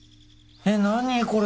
えっ何これ。